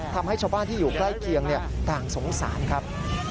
ทำให้ชาวบ้านที่อยู่ใกล้เคียงต่างสงสารครับ